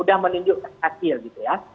udah menunjuk ke hasil gitu ya